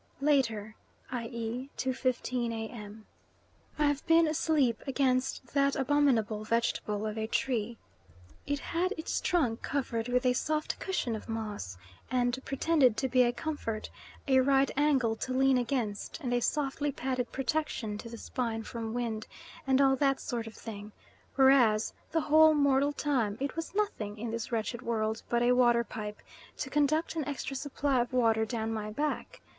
(Later, i.e., 2.15 A.M.). I have been asleep against that abominable vegetable of a tree. It had its trunk covered with a soft cushion of moss, and pretended to be a comfort a right angle to lean against, and a softly padded protection to the spine from wind, and all that sort of thing; whereas the whole mortal time it was nothing in this wretched world but a water pipe, to conduct an extra supply of water down my back.